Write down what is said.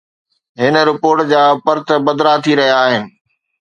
هن رپورٽ جا پرت پڌرا ٿي رهيا آهن.